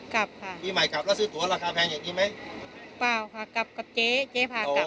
กลับค่ะปีใหม่กลับแล้วซื้อตัวราคาแพงอย่างนี้ไหมเปล่าค่ะกลับกับเจ๊เจ๊พากลับ